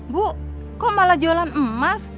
bu kok malah jualan emas